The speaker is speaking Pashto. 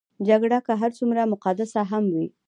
جګړه که هر څومره مقدسه هم وي.